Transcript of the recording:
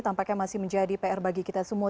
tampaknya masih menjadi pr bagi kita semua